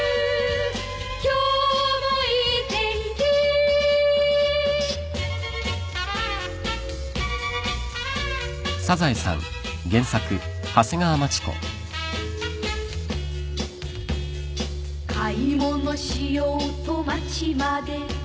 「今日もいい天気」「買い物しようと街まで」